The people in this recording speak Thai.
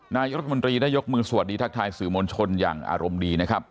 นายรัฐมนตรีได้ยกมือสวัสดีทักทายสื่อมวลชนอย่างอารมณ์ดีนะครับ